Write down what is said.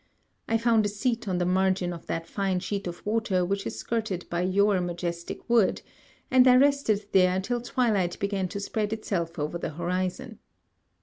I found a seat on the margin of that fine sheet of water which is skirted by your majestic wood; and I rested there till twilight began to spread itself over the horizon.